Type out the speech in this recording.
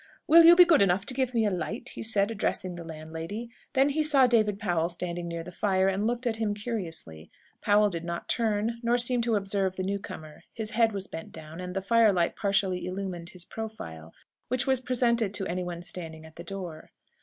"Will you be good enough to give me a light?" he said, addressing the landlady. Then he saw David Powell standing near the fire, and looked at him curiously. Powell did not turn, nor seem to observe the new comer. His head was bent down, and the firelight partially illumined his profile, which was presented to anyone standing at the door.